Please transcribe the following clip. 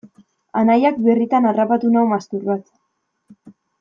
Anaiak birritan harrapatu nau masturbatzen.